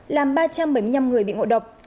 làm ba trăm bảy mươi năm người bị ngộ độc